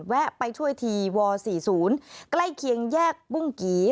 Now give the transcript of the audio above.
แวะไปช่วยทีว๔๐ใกล้เคียงแยกบุ้งกี่